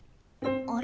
あれ？